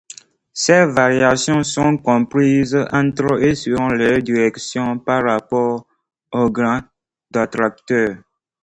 Ces variations sont comprises entre et selon leur direction par rapport au Grand Attracteur.